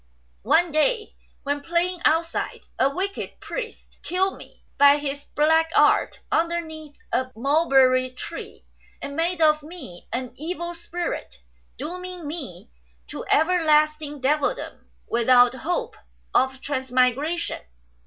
One day, when playing outside, a wicked priest killed me by his black art underneath a mulberry tree, and made of me an evil spirit, dooming me to everlasting devildom without hope of transmigration.